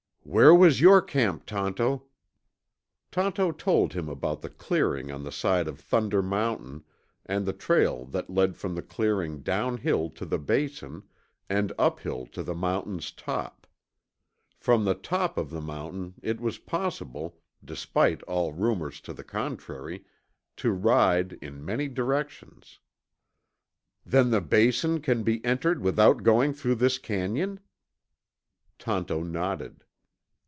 "Where was your camp, Tonto?" Tonto told about the clearing on the side of Thunder Mountain and the trail that led from the clearing downhill to the Basin and uphill to the mountain's top. From the top of the mountain it was possible, despite all rumors to the contrary, to ride in many directions. "Then the Basin can be entered without going through this canyon?" Tonto nodded.